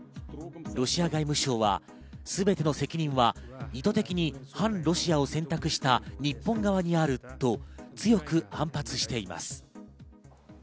ロシア外務省は全ての責任は意図的に反ロシアを選択した日本側にあると強く反発しています。